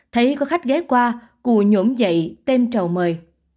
thấy có khách ghé qua cụ nhổm dậy tem trầu mời